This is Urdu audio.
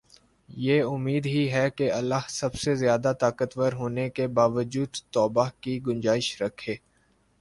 یہ امید ہی ہے کہ اللہ سب سے زیادہ طاقتور ہونے کے باوجود توبہ کی گنجائش رکھے